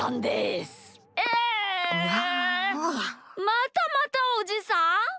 またまたおじさん？